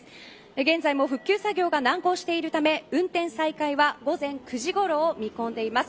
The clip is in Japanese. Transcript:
現在も復旧作業が難航しているため運転再開は午前９時ごろを見込んでいます。